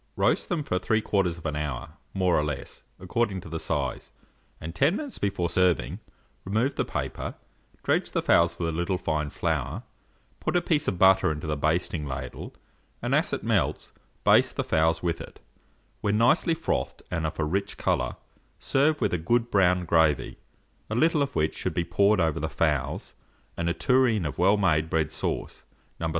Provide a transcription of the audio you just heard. Roast them for 3/4 hour, more or less, according to the size, and 10 minutes before serving, remove the paper, dredge the fowls with a little fine flour, put a piece of butter into the basting ladle, and as it melts, baste the fowls with it; when nicely frothed and of a rich colour, serve with good brown gravy, a little of which should be poured over the fowls, and a tureen of well made bread sauce, No.